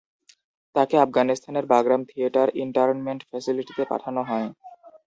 তাকে আফগানিস্তানের Bagram theatre ইন্টার্নমেন্ট ফ্যাসিলিটিতে পাঠানো হয়।